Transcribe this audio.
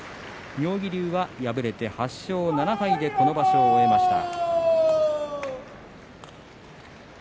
妙義龍は敗れて８勝７敗でこの場所を終えました。